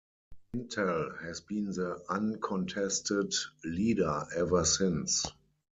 Intel has been the uncontested leader ever since.